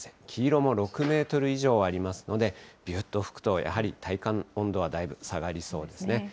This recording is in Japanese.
黄色も６メートル以上ありますので、びゅーっと吹くと、やはり体感温度はだいぶ下がりそうですね。